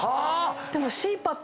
でも。